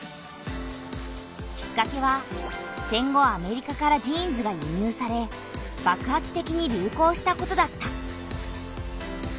きっかけは戦後アメリカからジーンズが輸入さればくはつてきに流行したことだった。